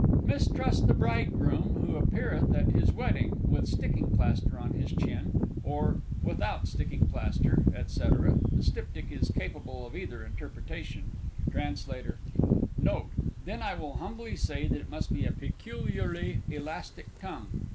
Mistrust the Bridegroom who appeareth at his wedding with sticking plaster on his chin [or "without sticking plaster," &c. the Styptic is capable of either interpretation. Trans.]. Note. Then I will humbly say that it must be a peculiarly elastic tongue.